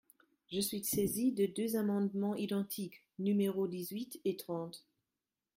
Je suis saisie de deux amendements identiques, numéros dix-huit et trente.